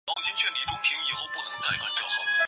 另外一些路边摊所产生的环境脏乱也令为之叹息。